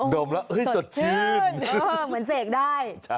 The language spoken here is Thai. มแล้วสดชื่นเหมือนเสกได้